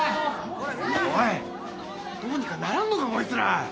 おいどうにかならんのかこいつら。